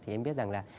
thì em biết rằng là